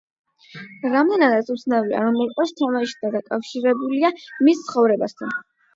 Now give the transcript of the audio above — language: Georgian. რამდენადაც უცნაური არ უნდა იყოს თამაში დაკავშირებულია მის ცხოვრებასთან.